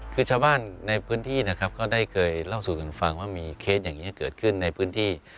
คือชาวบ้านในพื้นที่นะครับก็ได้เคยเล่าสู่กันฟังว่ามีเคสอย่างนี้เกิดขึ้นในพื้นที่